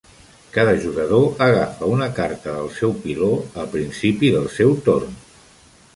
Cada jugador agafa una carta del seu piló al principi del seu torn.